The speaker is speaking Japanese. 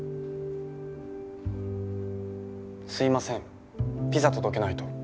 すいませんピザ届けないと。